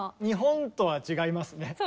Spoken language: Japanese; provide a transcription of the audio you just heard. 日本とは違いますね。